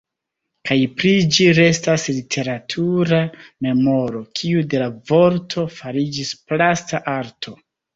Kaj pri ĝi restas literatura memoro kiu de la vorto fariĝis plasta arto.